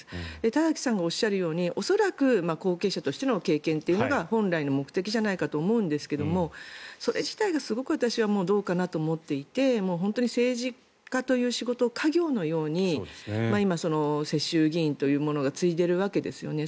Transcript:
田崎さんがおっしゃるように恐らく後継者としての経験というのが、本来の目的じゃないかと思うんですがそれ自体がすごく私はどうかなと思っていて本当に政治家という仕事を家業のように今、世襲議員というものが継いでいるわけですよね。